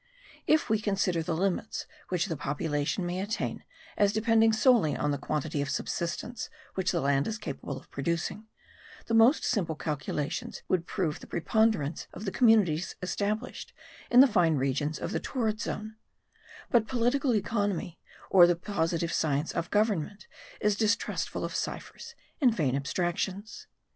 If we consider the limits which the population may attain as depending solely on the quantity of subsistence which the land is capable of producing, the most simple calculations would prove the preponderance of the communities established in the fine regions of the torrid zone; but political economy, or the positive science of government, is distrustful of ciphers and vain abstractions.